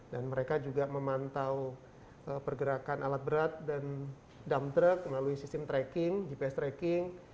dan mereka juga memantau pergerakan alat berat dan dump truck melalui sistem tracking gps tracking